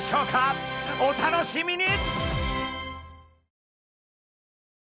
お楽しみに！